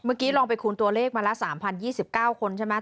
เมื่อกี้ลองไปคูณตัวเลขมาละ๓๐๒๙คนใช่ไหม